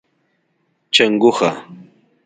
🐸 چنګوښه